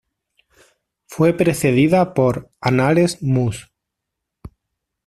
Fue precedida por "Anales Mus.